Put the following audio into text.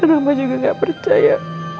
dan mama juga gak percaya